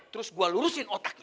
terus gue lurusin otaknya